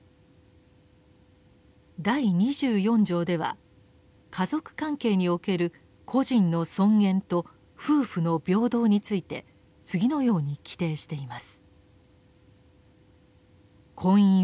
第二十四条では「家族関係における個人の尊厳と夫婦の平等」について次のように規定しています。